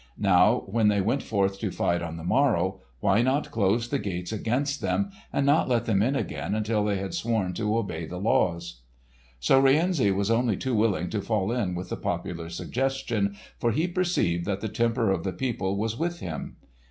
Now, when they went forth to fight on the morrow, why not close the gates against them, and not let them in again until they had sworn to obey the laws? So Rienzi was only too willing to fall in with the popular suggestion, for he perceived that the temper of the people was with him.